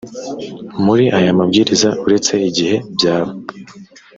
muri aya mabwiriza uretse igihe byaba